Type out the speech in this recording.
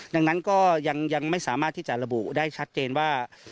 ดังนั้นก็ยังไม่สามารถที่จะระบุได้ชัดเจนว่า